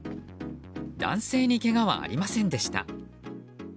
男性にけがはありませんでした。